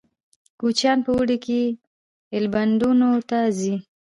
کوچیان په اوړي کې ایلبندونو ته ځي